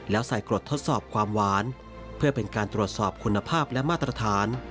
แล้วใส่กรดทดสอบความหวานเพื่อเป็นการตรวจสอบคุณภาพและมาตรฐาน